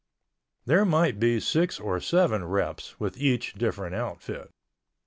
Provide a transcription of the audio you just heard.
There might be six or seven reps with each different outfit.